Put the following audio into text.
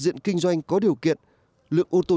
diện kinh doanh có điều kiện lượng ô tô